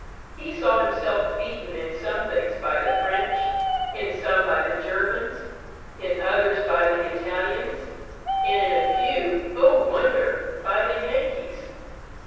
He saw himself beaten in some things by the French, in some by the Germans, in others by the Italians, and in a few (O wonder!) by the Yankees.